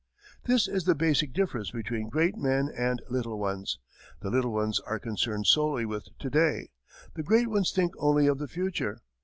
This is the basic difference between great men and little ones the little ones are concerned solely with to day; the great ones think only of the future.